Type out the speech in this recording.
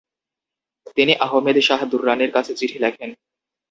তিনি আহমেদ শাহ দুররানির কাছে চিঠি লেখেন।